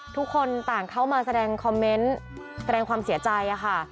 ทุกคนต่างเข้ามาแสดงคอมเมนต์แสดงความเสียใจค่ะ